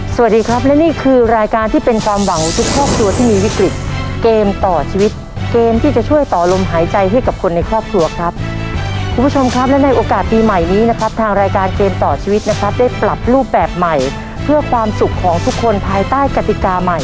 สวัสดีครับและนี่คือรายการที่เป็นความหวังทุกครอบครัวที่มีวิกฤตเกมต่อชีวิตเกมที่จะช่วยต่อลมหายใจให้กับคนในครอบครัวครับคุณผู้ชมครับและในโอกาสปีใหม่นี้นะครับทางรายการเกมต่อชีวิตนะครับได้ปรับรูปแบบใหม่เพื่อความสุขของคนในครอบครัวครับคุณผู้ชมครับและในโอกาสปีใหม่นี้นะครับทางรายการเกม